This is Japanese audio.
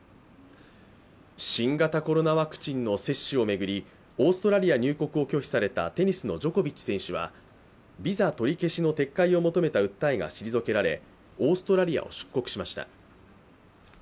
新型コロナワクチンの接種を巡り、オーストラリア入国を拒否されたテニスのジョコビッチ選手はビザ取り消しの撤回を求めた訴えが退けられオーストラリアを出国しました。